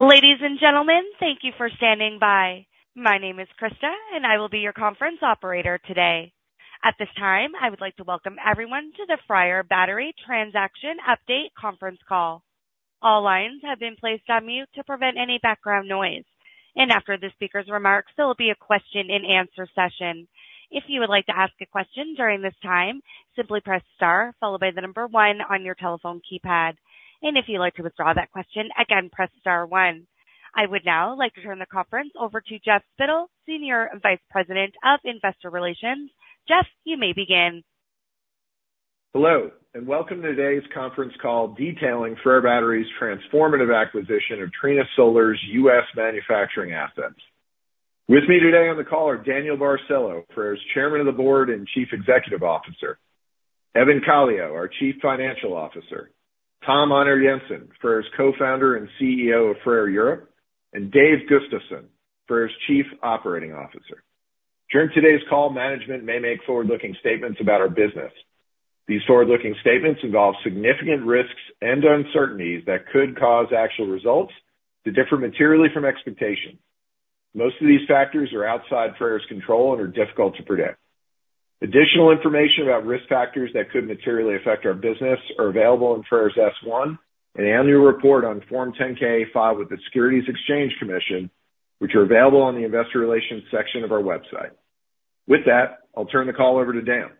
Ladies and gentlemen, thank you for standing by. My name is Krista, and I will be your conference operator today. At this time, I would like to welcome everyone to the FREYR Battery Transaction Update conference call. All lines have been placed on mute to prevent any background noise. And after the speaker's remarks, there will be a question-and-answer session. If you would like to ask a question during this time, simply press star, followed by the number one on your telephone keypad. And if you'd like to withdraw that question, again, press star one. I would now like to turn the conference over to Jeff Spittel, Senior Vice President of Investor Relations. Jeff, you may begin. Hello, and welcome to today's conference call detailing FREYR Battery's transformative acquisition of Trina Solar's U.S. manufacturing assets. With me today on the call are Daniel Barcelo, FREYR's Chairman of the Board and Chief Executive Officer, Evan Calio, our Chief Financial Officer, Tom Einar Jensen, FREYR's Co-Founder and CEO of FREYR Europe, and Dave Gustafson, FREYR's Chief Operating Officer. During today's call, management may make forward-looking statements about our business. These forward-looking statements involve significant risks and uncertainties that could cause actual results to differ materially from expectations. Most of these factors are outside FREYR's control and are difficult to predict. Additional information about risk factors that could materially affect our business is available in FREYR's S-1 and annual report on Form 10-K filed with the Securities and Exchange Commission, which are available on the Investor Relations section of our website. With that, I'll turn the call over to Dan.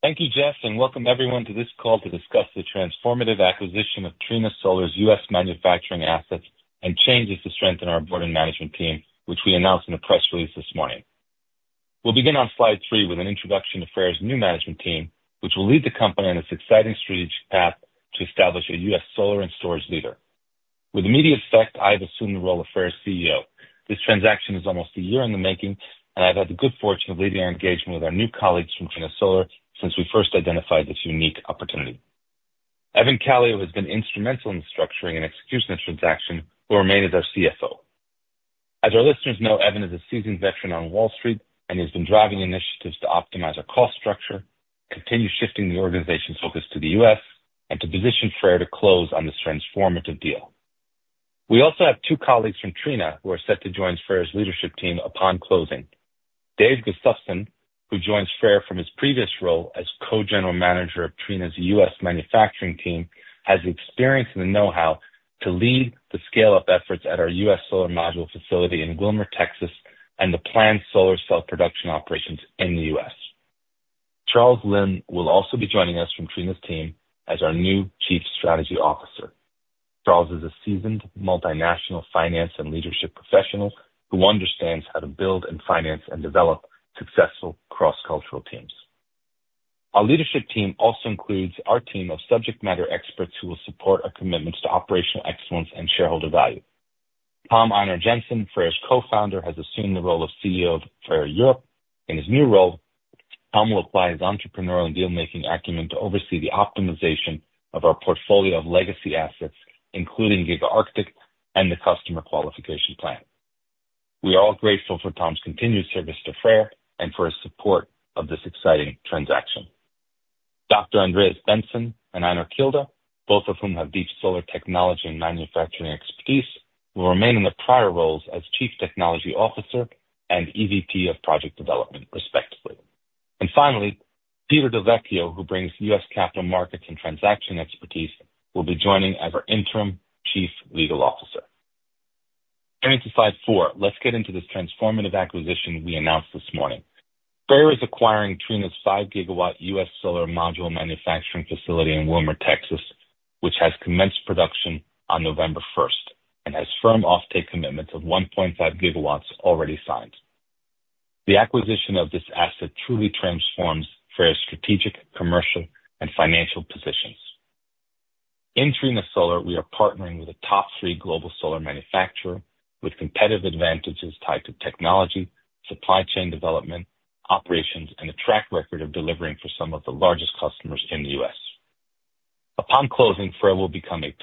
Thank you, Jeff, and welcome everyone to this call to discuss the transformative acquisition of Trina Solar's U.S. manufacturing assets and changes to strengthen our Board and management team, which we announced in a press release this morning. We'll begin on slide three with an introduction to FREYR's new management team, which will lead the company on its exciting strategic path to establish a U.S. solar and storage leader. With immediate effect, I've assumed the role of FREYR's CEO. This transaction is almost a year in the making, and I've had the good fortune of leading our engagement with our new colleagues from Trina Solar since we first identified this unique opportunity. Evan Calio has been instrumental in the structuring and execution of the transaction, who remains our CFO. As our listeners know, Evan is a seasoned veteran on Wall Street, and he has been driving initiatives to optimize our cost structure, continue shifting the organization's focus to the U.S., and to position FREYR to close on this transformative deal. We also have two colleagues from Trina who are set to join FREYR's leadership team upon closing. Dave Gustafson, who joined FREYR from his previous role as Co-General Manager of Trina's U.S. manufacturing team, has the experience and the know-how to lead the scale-up efforts at our U.S. solar module facility in Wilmer, Texas, and the planned solar cell production operations in the U.S. Charles Lin will also be joining us from Trina's team as our new Chief Strategy Officer. Charles is a seasoned multinational finance and leadership professional who understands how to build, finance, and develop successful cross-cultural teams. Our leadership team also includes our team of subject matter experts who will support our commitments to operational excellence and shareholder value. Tom Einar Jensen, FREYR's Co-Founder, has assumed the role of CEO of FREYR Europe. In his new role, Tom will apply his entrepreneurial and dealmaking acumen to oversee the optimization of our portfolio of legacy assets, including Giga Arctic and the Customer Qualification Plant. We are all grateful for Tom's continued service to FREYR and for his support of this exciting transaction. Dr. Andreas Bentzen and Einar Kilde, both of whom have deep solar technology and manufacturing expertise, will remain in their prior roles as Chief Technology Officer and EVP of Project Development, respectively. Finally, Peter del Vecchio, who brings U.S. capital markets and transaction expertise, will be joining as our Interim Chief Legal Officer. Turning to slide four, let's get into this transformative acquisition we announced this morning. FREYR is acquiring Trina Solar's 5 GW U.S. solar module manufacturing facility in Wilmer, Texas, which has commenced production on November 1st and has firm offtake commitments of 1.5 GW already signed. The acquisition of this asset truly transforms FREYR's strategic, commercial, and financial positions. In Trina Solar, we are partnering with a top-three global solar manufacturer with competitive advantages tied to technology, supply chain development, operations, and a track record of delivering for some of the largest customers in the U.S. Upon closing, FREYR will become a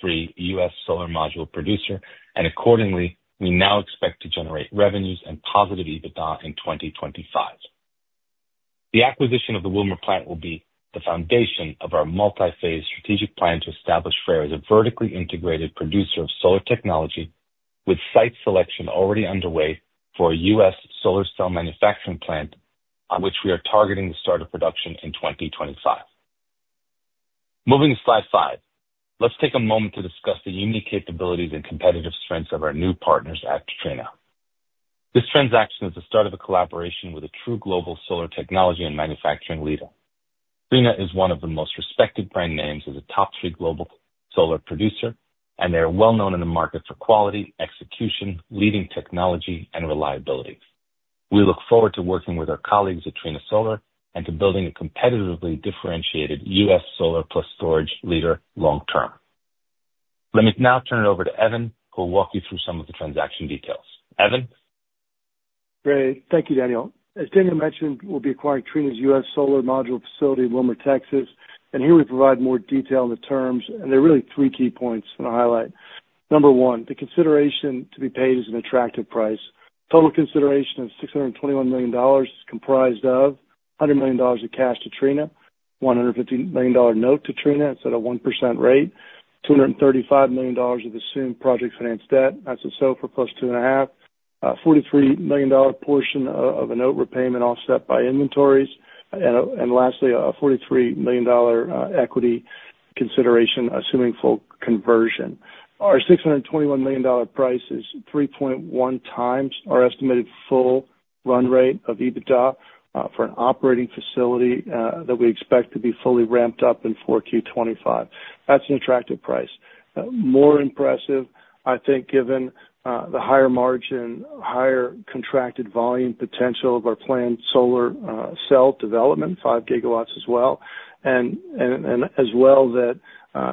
top-three U.S. solar module producer, and accordingly, we now expect to generate revenues and positive EBITDA in 2025. The acquisition of the Wilmer plant will be the foundation of our multi-phase strategic plan to establish FREYR as a vertically integrated producer of solar technology, with site selection already underway for a U.S. solar cell manufacturing plant on which we are targeting to start production in 2025. Moving to slide five, let's take a moment to discuss the unique capabilities and competitive strengths of our new partners at Trina. This transaction is the start of a collaboration with a true global solar technology and manufacturing leader. Trina is one of the most respected brand names as a top-three global solar producer, and they are well-known in the market for quality, execution, leading technology, and reliability. We look forward to working with our colleagues at Trina Solar and to building a competitively differentiated U.S. solar plus storage leader long-term. Let me now turn it over to Evan, who will walk you through some of the transaction details. Evan? Great. Thank you, Daniel. As Daniel mentioned, we'll be acquiring Trina's U.S. solar module facility in Wilmer, Texas, and here we provide more detail on the terms, and there are really three key points I want to highlight. Number one, the consideration to be paid is an attractive price. Total consideration of $621 million comprised of $100 million of cash to Trina, $150 million note to Trina at a 1% rate, $235 million of assumed project finance debt, that's a SOFR plus two and a half, a $43 million portion of a note repayment offset by inventories, and lastly, a $43 million equity consideration assuming full conversion. Our $621 million price is 3.1 times our estimated full run rate of EBITDA for an operating facility that we expect to be fully ramped up in 4Q25. That's an attractive price. More impressive, I think, given the higher margin, higher contracted volume potential of our planned solar cell development, 5 GW as well, and as well that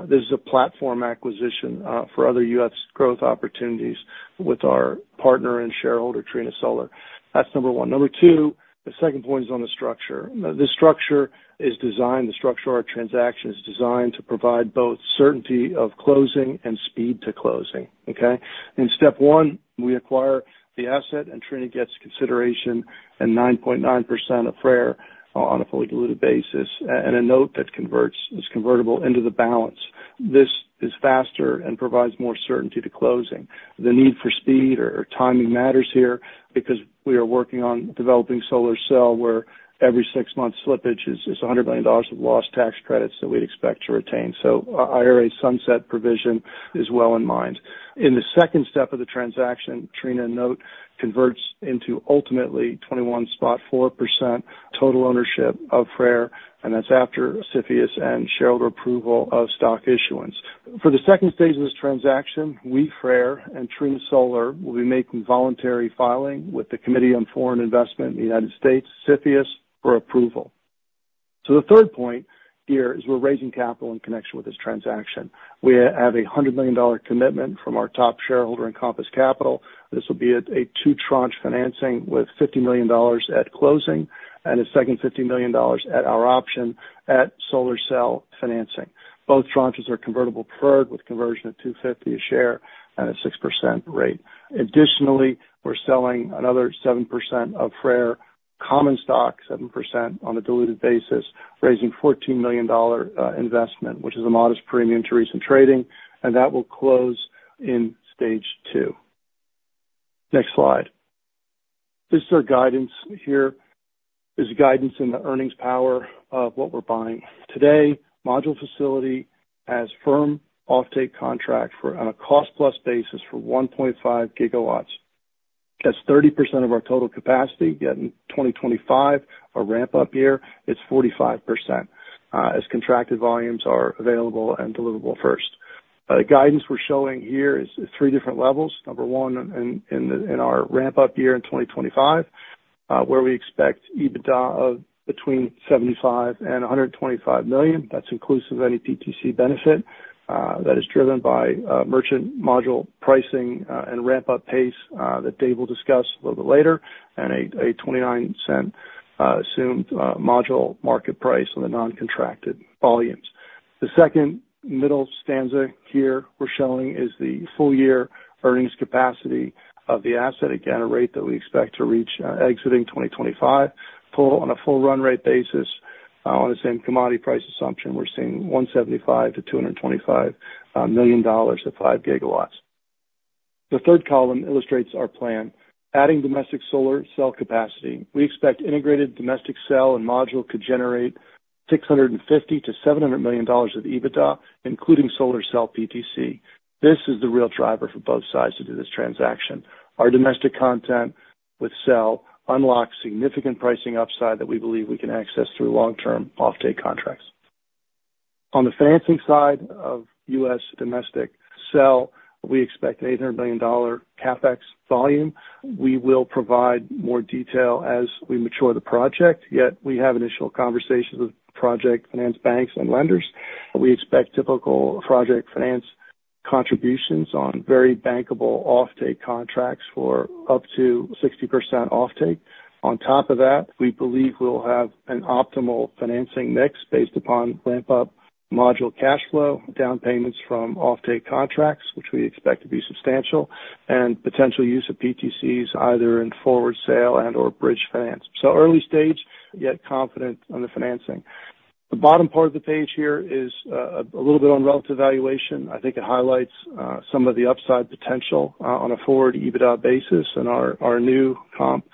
this is a platform acquisition for other U.S. growth opportunities with our partner and shareholder Trina Solar. That's number one. Number two, the second point is on the structure. The structure is designed. The structure of our transaction is designed to provide both certainty of closing and speed to closing. Okay? In step one, we acquire the asset, and Trina gets consideration and 9.9% of FREYR on a fully diluted basis, and a note that converts is convertible into the balance. This is faster and provides more certainty to closing. The need for speed or timing matters here because we are working on developing solar cell where every six-month slippage is $100 million of lost tax credits that we expect to retain, so IRA sunset provision is well in mind. In the second step of the transaction, Trina note converts into ultimately 21.4% total ownership of FREYR, and that's after CFIUS and shareholder approval of stock issuance. For the second stage of this transaction, we, FREYR and Trina Solar will be making voluntary filing with the Committee on Foreign Investment in the United States, CFIUS, for approval. The third point here is we're raising capital in connection with this transaction. We have a $100 million commitment from our top shareholder Encompass Capital. This will be a two-tranche financing with $50 million at closing and a second $50 million at our option at solar cell financing. Both tranches are convertible preferred with conversion at $250 a share and a 6% rate. Additionally, we're selling another 7% of FREYR common stock, 7% on a diluted basis, raising $14 million investment, which is a modest premium to recent trading, and that will close in stage two. Next slide. This is our guidance here. This is guidance in the earnings power of what we're buying. Today, module facility has firm offtake contract on a cost-plus basis for 1.5 GW. That's 30% of our total capacity in 2025. Our ramp-up year is 45% as contracted volumes are available and deliverable first. The guidance we're showing here is three different levels. Number one in our ramp-up year in 2025, where we expect EBITDA of between $75 million and $125 million. That's inclusive of any PTC benefit that is driven by merchant module pricing and ramp-up pace that Dave will discuss a little bit later and a $0.29 assumed module market price on the non-contracted volumes. The second middle stanza here we're showing is the full-year earnings capacity of the asset, again, a rate that we expect to reach exiting 2025 on a full run rate basis. On the same commodity price assumption, we're seeing $175-$225 million at 5 GW. The third column illustrates our plan, adding domestic solar cell capacity. We expect integrated domestic cell and module could generate $650-$700 million of EBITDA, including solar cell PTC. This is the real driver for both sides to do this transaction. Our domestic content with cell unlocks significant pricing upside that we believe we can access through long-term offtake contracts. On the financing side of US domestic cell, we expect an $800 million CapEx volume. We will provide more detail as we mature the project, yet we have initial conversations with project finance banks and lenders. We expect typical project finance contributions on very bankable offtake contracts for up to 60% offtake. On top of that, we believe we'll have an optimal financing mix based upon ramp-up module cash flow, down payments from offtake contracts, which we expect to be substantial, and potential use of PTCs either in forward sale and/or bridge finance. So early stage, yet confident on the financing. The bottom part of the page here is a little bit on relative valuation. I think it highlights some of the upside potential on a forward EBITDA basis and our new comp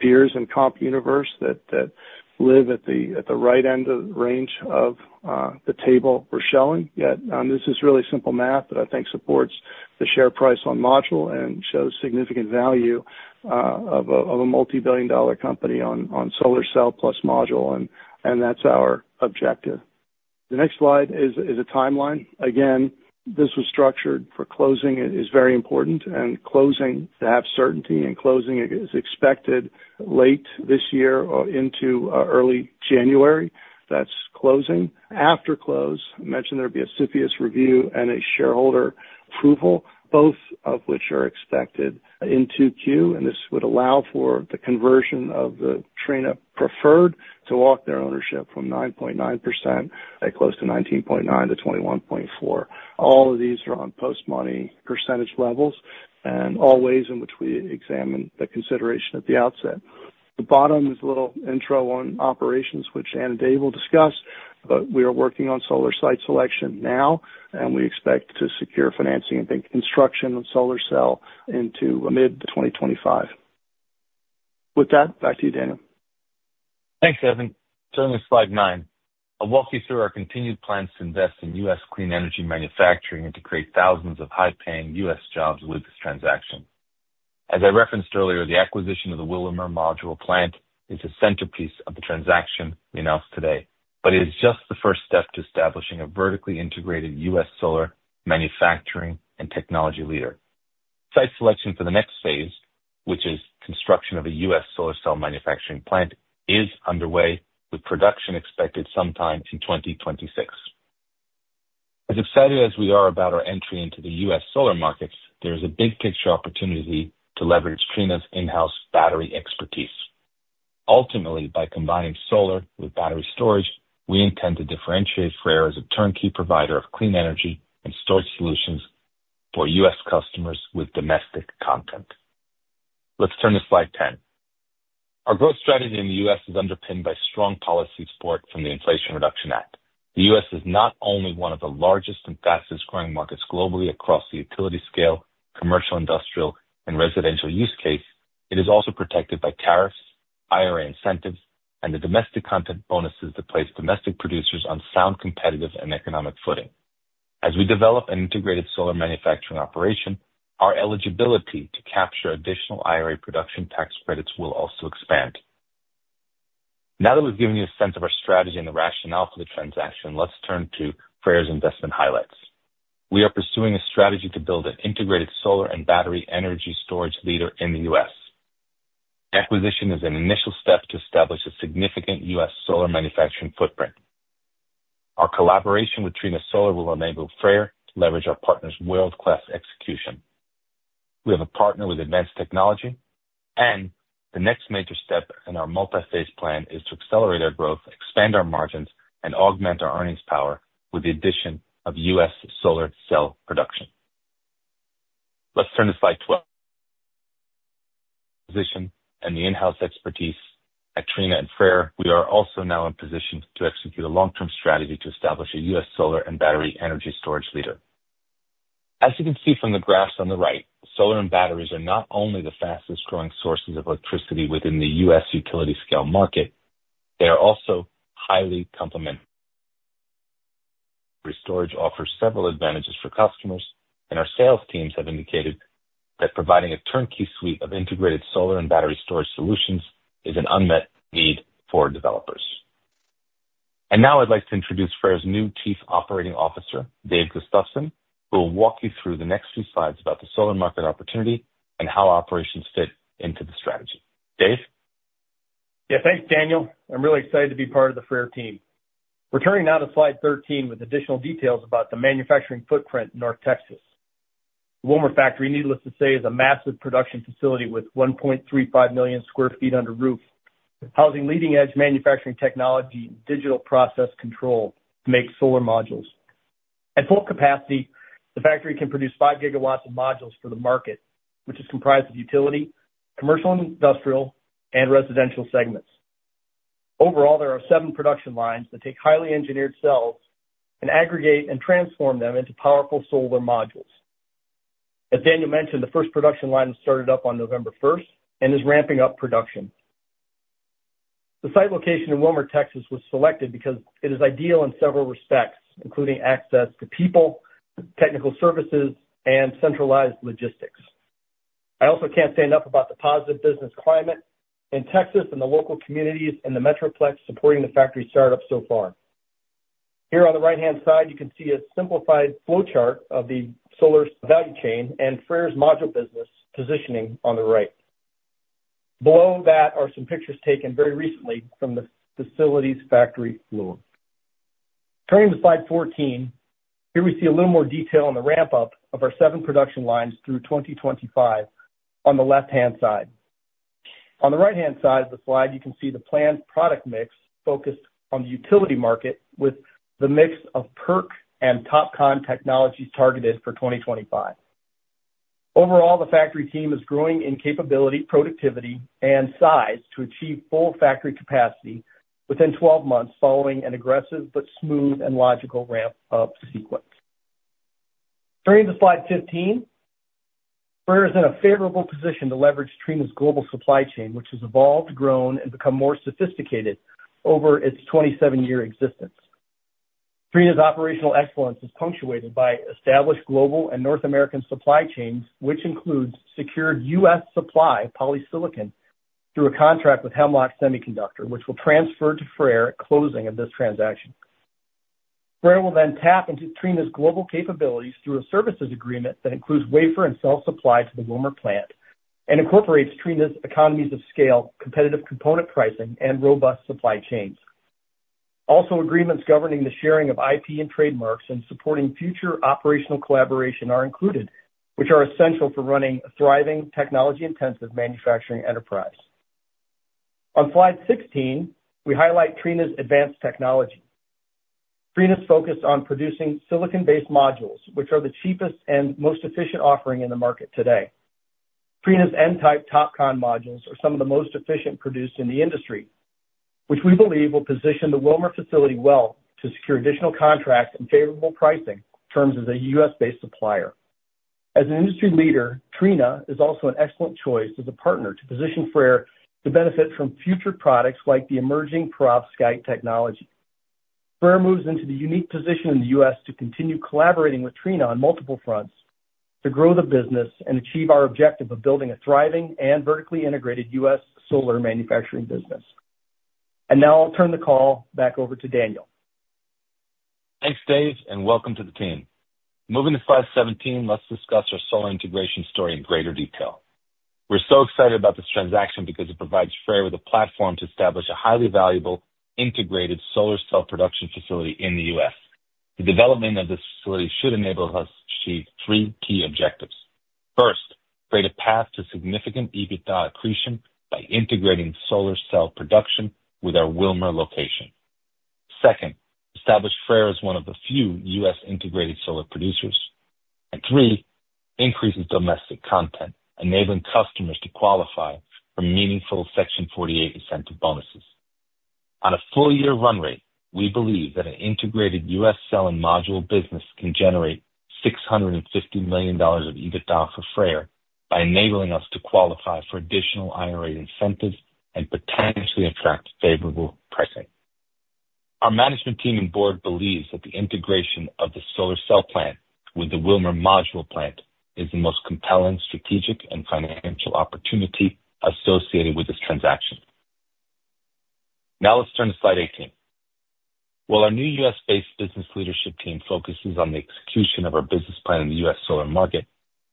peers and comp universe that live at the right end of the range of the table we're showing. Yet this is really simple math that I think supports the share price on module and shows significant value of a multi-billion-dollar company on solar cell plus module, and that's our objective. The next slide is a timeline. Again, this was structured for closing. It is very important, and closing. To have certainty in closing is expected late this year or into early January. That's closing. After close, I mentioned there'd be a CFIUS review and a shareholder approval, both of which are expected in 2Q, and this would allow for the conversion of the Trina preferred to walk their ownership from 9.9% at close to 19.9%-21.4%. All of these are on post-money percentage levels and all ways in which we examine the consideration at the outset. The bottom is a little intro on operations, which Dan and Dave will discuss, but we are working on solar site selection now, and we expect to secure financing and construction on solar cell into mid-2025. With that, back to you, Daniel. Thanks, Evan. Turning to slide nine, I'll walk you through our continued plans to invest in U.S. clean energy manufacturing and to create thousands of high-paying U.S. jobs with this transaction. As I referenced earlier, the acquisition of the Wilmer module plant is the centerpiece of the transaction we announced today, but it is just the first step to establishing a vertically integrated U.S. solar manufacturing and technology leader. Site selection for the next phase, which is construction of a U.S. solar cell manufacturing plant, is underway with production expected sometime in 2026. As excited as we are about our entry into the U.S. solar markets, there is a big picture opportunity to leverage Trina's in-house battery expertise. Ultimately, by combining solar with battery storage, we intend to differentiate FREYR as a turnkey provider of clean energy and storage solutions for U.S. customers with domestic content. Let's turn to slide 10. Our growth strategy in the U.S. is underpinned by strong policy support from the Inflation Reduction Act. The U.S. is not only one of the largest and fastest-growing markets globally across the utility scale, commercial, industrial, and residential use case. It is also protected by tariffs, IRA incentives, and the domestic content bonuses that place domestic producers on sound competitive and economic footing. As we develop an integrated solar manufacturing operation, our eligibility to capture additional IRA production tax credits will also expand. Now that we've given you a sense of our strategy and the rationale for the transaction, let's turn to FREYR's investment highlights. We are pursuing a strategy to build an integrated solar and battery energy storage leader in the U.S. Acquisition is an initial step to establish a significant U.S. solar manufacturing footprint. Our collaboration with Trina Solar will enable FREYR to leverage our partner's world-class execution. We have a partner with advanced technology, and the next major step in our multi-phase plan is to accelerate our growth, expand our margins, and augment our earnings power with the addition of U.S. solar cell production. Let's turn to slide 12. With the position and the in-house expertise at Trina and FREYR, we are also now in position to execute a long-term strategy to establish a U.S. solar and battery energy storage leader. As you can see from the graphs on the right, solar and batteries are not only the fastest-growing sources of electricity within the U.S. utility scale market, they are also highly complementary. Battery storage offers several advantages for customers, and our sales teams have indicated that providing a turnkey suite of integrated solar and battery storage solutions is an unmet need for developers. And now I'd like to introduce FREYR's new Chief Operating Officer, Dave Gustafson, who will walk you through the next few slides about the solar market opportunity and how operations fit into the strategy. Dave? Yeah, thanks, Daniel. I'm really excited to be part of the FREYR team. We're turning now to Slide 13 with additional details about the manufacturing footprint in North Texas. The Wilmer factory, needless to say, is a massive production facility with 1.35 million sq ft under roof, housing leading-edge manufacturing technology and digital process control to make solar modules. At full capacity, the factory can produce 5 GW of modules for the market, which is comprised of utility, commercial, industrial, and residential segments. Overall, there are seven production lines that take highly engineered cells and aggregate and transform them into powerful solar modules. As Daniel mentioned, the first production line was started up on November 1st and is ramping up production. The site location in Wilmer, Texas, was selected because it is ideal in several respects, including access to people, technical services, and centralized logistics. I also can't say enough about the positive business climate in Texas and the local communities and the Metroplex supporting the factory startup so far. Here on the right-hand side, you can see a simplified flow chart of the solar value chain and FREYR's module business positioning on the right. Below that are some pictures taken very recently from the facility's factory floor. Turning to slide 14, here we see a little more detail on the ramp-up of our seven production lines through 2025 on the left-hand side. On the right-hand side of the slide, you can see the planned product mix focused on the utility market with the mix of PERC and TOPCon technologies targeted for 2025. Overall, the factory team is growing in capability, productivity, and size to achieve full factory capacity within 12 months following an aggressive but smooth and logical ramp-up sequence. Turning to slide 15, FREYR is in a favorable position to leverage Trina's global supply chain, which has evolved, grown, and become more sophisticated over its 27-year existence. Trina's operational excellence is punctuated by established global and North American supply chains, which includes secured U.S. supply of polysilicon through a contract with Hemlock Semiconductor, which will transfer to FREYR at closing of this transaction. FREYR will then tap into Trina's global capabilities through a services agreement that includes wafer and cell supply to the Wilmer plant and incorporates Trina's economies of scale, competitive component pricing, and robust supply chains. Also, agreements governing the sharing of IP and trademarks and supporting future operational collaboration are included, which are essential for running a thriving, technology-intensive manufacturing enterprise. On slide 16, we highlight Trina's advanced technology. Trina's focus on producing silicon-based modules, which are the cheapest and most efficient offering in the market today. Trina's N-type TOPCon modules are some of the most efficient produced in the industry, which we believe will position the Wilmer facility well to secure additional contracts and favorable pricing terms as a U.S.-based supplier. As an industry leader, Trina is also an excellent choice as a partner to position FREYR to benefit from future products like the emerging perovskite technology. FREYR moves into the unique position in the U.S. to continue collaborating with Trina on multiple fronts to grow the business and achieve our objective of building a thriving and vertically integrated U.S. solar manufacturing business. And now I'll turn the call back over to Daniel. Thanks, Dave, and welcome to the team. Moving to slide 17, let's discuss our solar integration story in greater detail. We're so excited about this transaction because it provides FREYR with a platform to establish a highly valuable integrated solar cell production facility in the U.S. The development of this facility should enable us to achieve three key objectives. First, create a path to significant EBITDA accretion by integrating solar cell production with our Wilmer location. Second, establish FREYR as one of the few U.S. integrated solar producers. And three, increase its domestic content, enabling customers to qualify for meaningful Section 48 incentive bonuses. On a full-year run rate, we believe that an integrated U.S. cell and module business can generate $650 million of EBITDA for FREYR by enabling us to qualify for additional IRA incentives and potentially attract favorable pricing. Our management team and board believe that the integration of the solar cell plant with the Wilmer module plant is the most compelling strategic and financial opportunity associated with this transaction. Now let's turn to slide 18. While our new U.S.-based business leadership team focuses on the execution of our business plan in the U.S. solar market,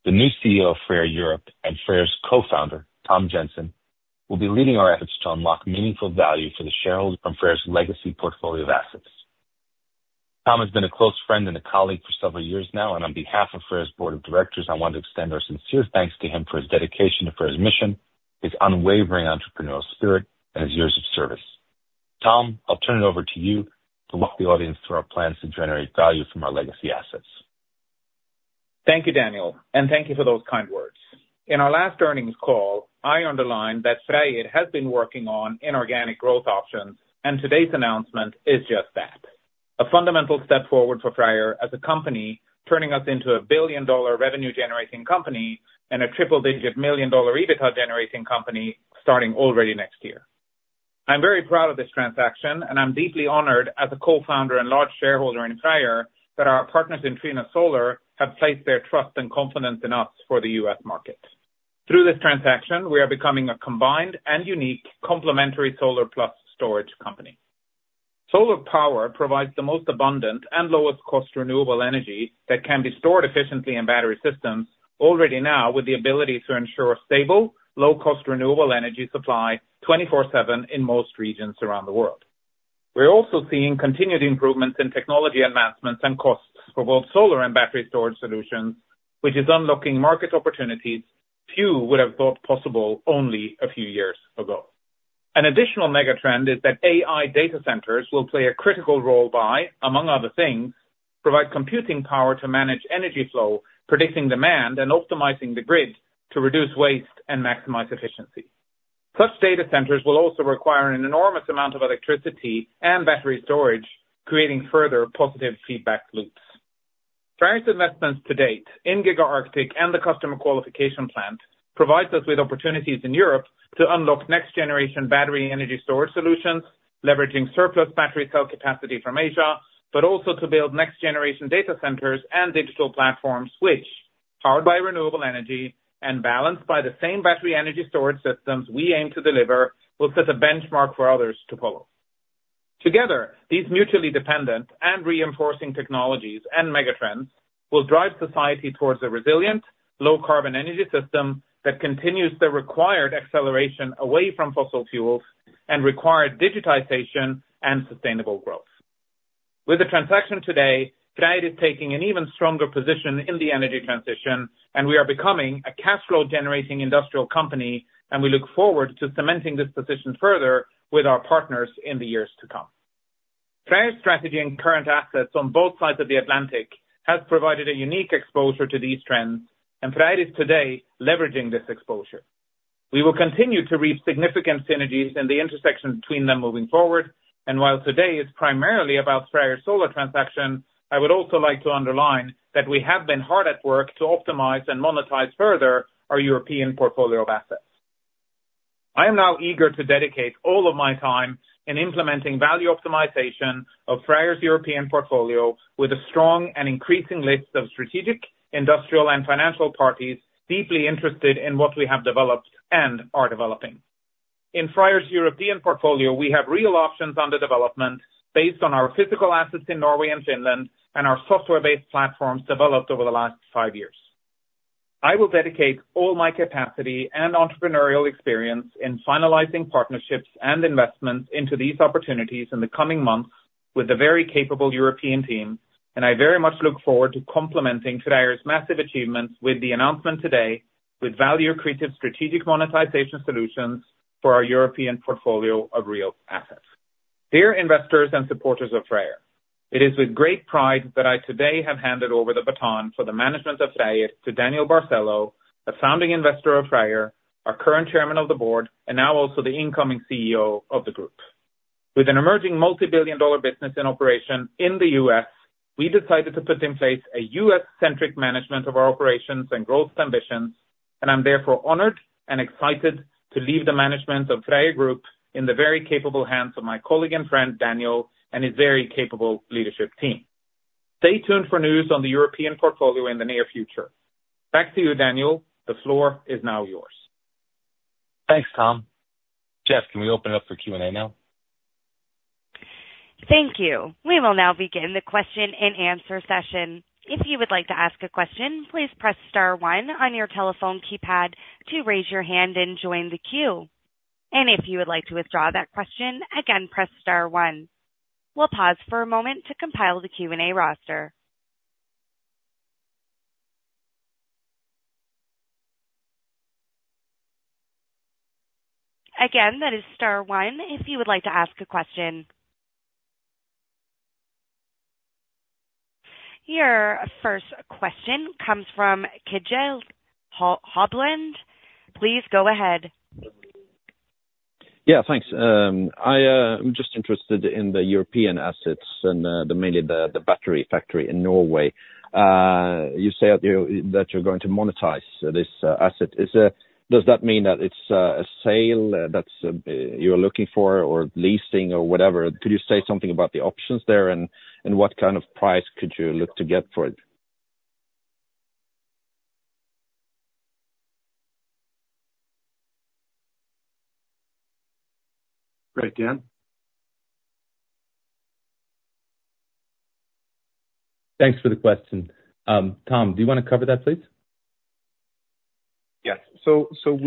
the new CEO of FREYR Europe and FREYR's co-founder, Tom Jensen, will be leading our efforts to unlock meaningful value for the shareholder from FREYR's legacy portfolio of assets. Tom has been a close friend and a colleague for several years now, and on behalf of FREYR's Board of Directors, I want to extend our sincere thanks to him for his dedication to FREYR's mission, his unwavering entrepreneurial spirit, and his years of service. Tom, I'll turn it over to you to walk the audience through our plans to generate value from our legacy assets. Thank you, Daniel, and thank you for those kind words. In our last earnings call, I underlined that FREYR has been working on inorganic growth options, and today's announcement is just that: a fundamental step forward for FREYR as a company turning us into a billion-dollar revenue-generating company and a triple-digit million-dollar EBITDA-generating company starting already next year. I'm very proud of this transaction, and I'm deeply honored as a co-founder and large shareholder in FREYR that our partners in Trina Solar have placed their trust and confidence in us for the U.S. market. Through this transaction, we are becoming a combined and unique complementary solar plus storage company. Solar power provides the most abundant and lowest-cost renewable energy that can be stored efficiently in battery systems already now with the ability to ensure stable, low-cost renewable energy supply 24/7 in most regions around the world. We're also seeing continued improvements in technology advancements and costs for both solar and battery storage solutions, which is unlocking market opportunities few would have thought possible only a few years ago. An additional mega trend is that AI data centers will play a critical role by, among other things, providing computing power to manage energy flow, predicting demand, and optimizing the grid to reduce waste and maximize efficiency. Such data centers will also require an enormous amount of electricity and battery storage, creating further positive feedback loops. FREYR's investments to date in Giga Arctic and the Customer Qualification Plant provide us with opportunities in Europe to unlock next-generation battery energy storage solutions, leveraging surplus battery cell capacity from Asia, but also to build next-generation data centers and digital platforms, which, powered by renewable energy and balanced by the same battery energy storage systems we aim to deliver, will set a benchmark for others to follow. Together, these mutually dependent and reinforcing technologies and mega trends will drive society towards a resilient, low-carbon energy system that continues the required acceleration away from fossil fuels and required digitization and sustainable growth. With the transaction today, FREYR is taking an even stronger position in the energy transition, and we are becoming a cash flow-generating industrial company, and we look forward to cementing this position further with our partners in the years to come. FREYR's strategy and current assets on both sides of the Atlantic have provided a unique exposure to these trends, and FREYR is today leveraging this exposure. We will continue to reap significant synergies in the intersection between them moving forward, and while today is primarily about FREYR's solar transaction, I would also like to underline that we have been hard at work to optimize and monetize further our European portfolio of assets. I am now eager to dedicate all of my time in implementing value optimization of FREYR's European portfolio with a strong and increasing list of strategic, industrial, and financial parties deeply interested in what we have developed and are developing. In FREYR's European portfolio, we have real options under development based on our physical assets in Norway and Finland and our software-based platforms developed over the last five years. I will dedicate all my capacity and entrepreneurial experience in finalizing partnerships and investments into these opportunities in the coming months with the very capable European team, and I very much look forward to complementing FREYR's massive achievements with the announcement today with value-accretive strategic monetization solutions for our European portfolio of real assets. Dear investors and supporters of FREYR, it is with great pride that I today have handed over the baton for the management of FREYR to Daniel Barcelo, the founding investor of FREYR, our current Chairman of the Board, and now also the incoming CEO of the group. With an emerging multi-billion-dollar business in operation in the U.S., we decided to put in place a U.S.-centric management of our operations and growth ambitions, and I'm therefore honored and excited to leave the management of FREYR in the very capable hands of my colleague and friend Daniel and his very capable leadership team. Stay tuned for news on the European portfolio in the near future. Back to you, Daniel. The floor is now yours. Thanks, Tom. Jeff, can we open it up for Q&A now? Thank you. We will now begin the question-and answer-session. If you would like to ask a question, please press star one on your telephone keypad to raise your hand and join the queue, and if you would like to withdraw that question, again, press star one. We'll pause for a moment to compile the Q&A roster. Again, that is star one if you would like to ask a question. Your first question comes from Kjell [Hobland]. Please go ahead. Yeah, thanks. I'm just interested in the European assets and mainly the battery factory in Norway. You say that you're going to monetize this asset. Does that mean that it's a sale that you're looking for or leasing or whatever? Could you say something about the options there and what kind of price could you look to get for it? Right, Dan? Thanks for the question. Tom, do you want to cover that, please? Yes, so thank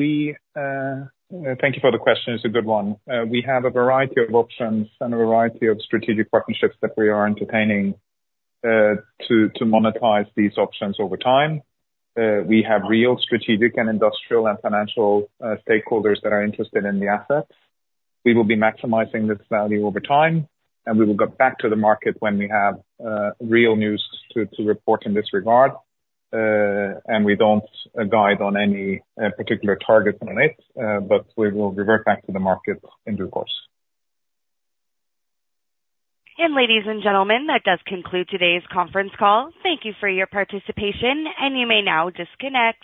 you for the question. It's a good one. We have a variety of options and a variety of strategic partnerships that we are entertaining to monetize these options over time. We have real strategic and industrial and financial stakeholders that are interested in the assets. We will be maximizing this value over time, and we will get back to the market when we have real news to report in this regard, and we don't guide on any particular targets on it, but we will revert back to the market in due course. Ladies and gentlemen, that does conclude today's conference call. Thank you for your participation, and you may now disconnect.